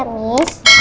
kamu sudah sekuatin aku